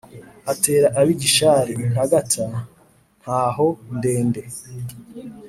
atera ab’i gishari intagata ntaho-ndende.